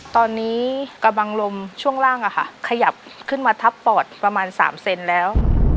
ตอนนี้กระบังลมช่วงล่างขยับขึ้นมาทับปอดประมาณ๓เซนแล้ว